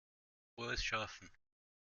Frohes Schaffen!